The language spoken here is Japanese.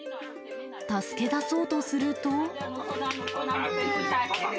助け出そうとすると。